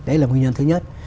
đấy là nguyên nhân thứ nhất